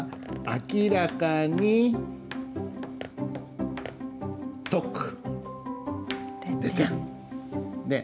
「明らかに説く」。